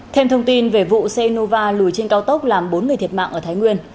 thêm thông tin về vụ xe nova lùi trên cao tốc làm bốn người thiệt mạng ở thái nguyên